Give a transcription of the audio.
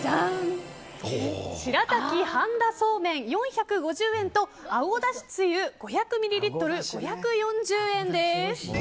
白滝半田そうめん、４５０円とあごだしつゆ５００ミリリットル５４０円です。